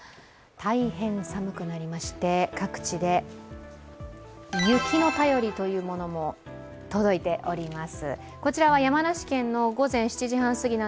大変寒くなりまして各地で雪の便りというものも届いております。